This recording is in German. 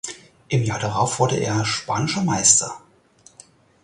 Im Jahr darauf wurde er spanischer Meister.